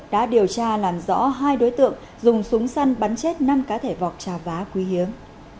đã điều tra làm rõ hai đối tượng dùng súng săn bắn chết năm cá thể vọc trà vá quý hiếm